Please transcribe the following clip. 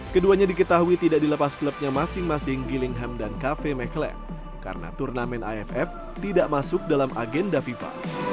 keduanya diketahui tidak dilepas klubnya masing masing gilingham dan cafe meklem karena turnamen aff tidak masuk dalam agenda fifa